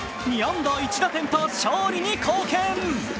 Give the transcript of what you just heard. ２安打１打点と勝利に貢献。